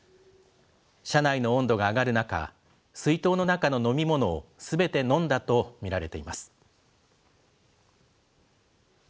車内の温度が上がる中、水筒の中の飲み物をすべて飲んだとみられています。